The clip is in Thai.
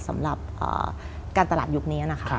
สำหรับการตลาดยุคนี้นะคะ